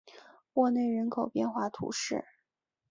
沃内人口变化图示